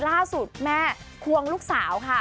ล่าสุดแม่ควงลูกสาวค่ะ